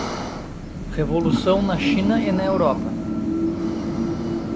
Revolução na China e na Europa